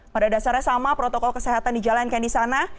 pada dasarnya sama protokol kesehatan dijalankan di sana